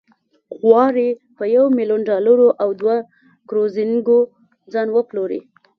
غواړي په یو میلیون ډالرو او دوه کروزینګونو ځان وپلوري.